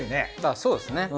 そうですね。